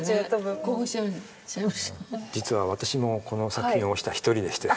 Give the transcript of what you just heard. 実は私もこの作品を推した一人でして。